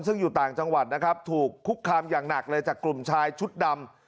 ซึ่งอยู่ต่างจังหวัดนะครับถูกคุกคามอย่างหนักเลยจากกลุ่มชายชุดดำ